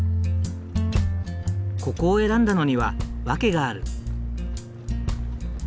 ここを選んだのには訳がある。